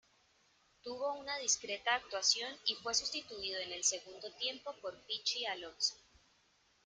Tuvo una discreta actuación y fue sustituido en el segundo tiempo por Pichi Alonso.